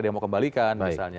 dia mau kembalikan misalnya